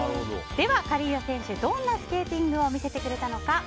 では、カリーヨ選手どんなスケーティングを見せてくれたのか。